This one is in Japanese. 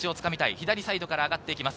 左サイドから上がっていきます。